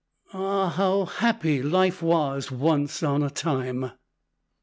Ah, how happy life was once on a time!"